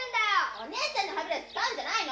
お姉ちゃんの歯ブラシ使うんじゃないの！